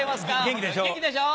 元気でしょ？